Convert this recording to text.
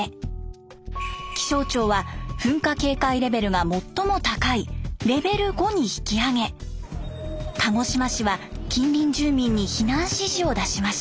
気象庁は噴火警戒レベルが最も高いレベル５に引き上げ鹿児島市は近隣住民に避難指示を出しました。